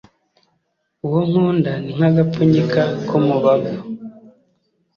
Uwo nkunda ni nk’agapfunyika k’umubavu